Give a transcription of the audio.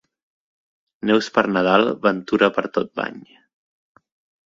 Neus per Nadal, ventura per tot l'any.